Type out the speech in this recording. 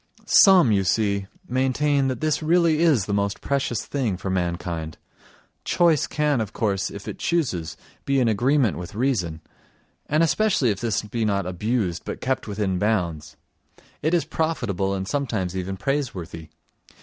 Some, you see, maintain that this really is the most precious thing for mankind; choice can, of course, if it chooses, be in agreement with reason; and especially if this be not abused but kept within bounds. It is profitable and sometimes even praiseworthy.